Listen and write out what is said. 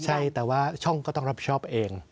ใช่แต่ว่าช่องก็ต้องรับผิดชอบเอง